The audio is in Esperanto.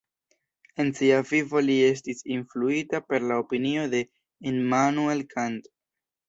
En sia vivo li estis influita per la opinio de Immanuel Kant.